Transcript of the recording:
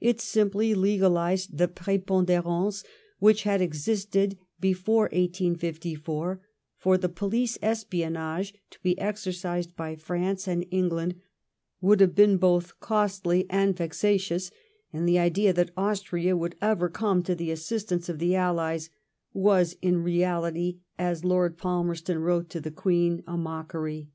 It simply legalised the prfponderance which had existed before 1864, for the police espionage to be exercised by France and England would have been both costly and vexatious, and the idea that Austria would ever come to the assistfince of the Allies was, in reality, as Lord Palmerston wrote to the Queen, a mockery.